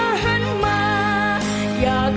ในฉันสามารถ